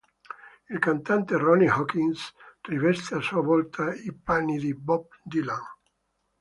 Il cantante Ronnie Hawkins riveste a sua volta i panni di "Bob Dylan".